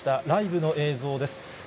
ライブの映像です。